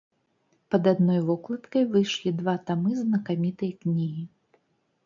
Пад адной вокладкай выйшлі два тамы знакамітай кнігі.